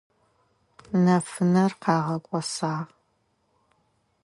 Нэфынэр къагъэкIосагъ.